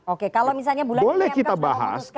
oke kalau misalnya bulan ini mk sudah memutuskan